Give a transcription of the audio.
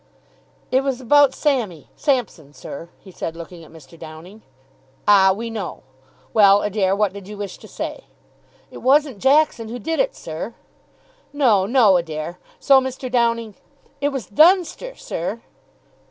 "It was about Sammy Sampson, sir," he said, looking at Mr. Downing. "Ah, we know . Well, Adair, what did you wish to say." "It wasn't Jackson who did it, sir." "No, no, Adair. So Mr. Downing " "It was Dunster, sir."